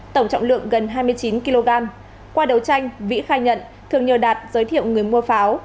tổng trọng lượng gần hai mươi chín kg qua đấu tranh vĩ khai nhận thường nhờ đạt giới thiệu người mua pháo